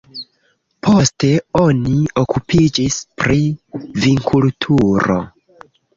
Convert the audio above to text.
Poste oni okupiĝis pri vinkulturo.